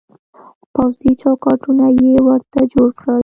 پوځي چوکاټونه يې ورته جوړ کړل.